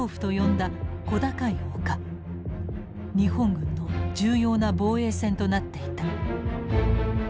日本軍の重要な防衛線となっていた。